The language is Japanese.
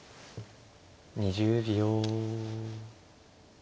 ２０秒。